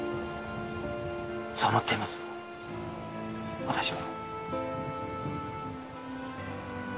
そう思っています私は。